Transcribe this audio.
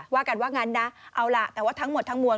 ว่ากันว่างั้นนะเอาล่ะแต่ว่าทั้งหมดทั้งมวล